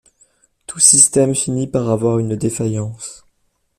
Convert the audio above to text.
Tout système finit par avoir une défaillance.